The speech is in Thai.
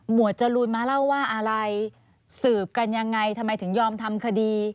จรูนมาเล่าว่าอะไรสืบกันยังไงทำไมถึงยอมทำคดี